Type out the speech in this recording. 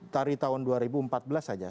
dari tahun dua ribu empat belas saja